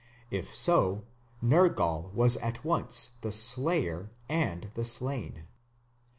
If so, Nergal was at once the slayer and the slain.